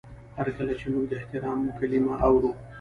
هر کله چې موږ د احترام کلمه اورو.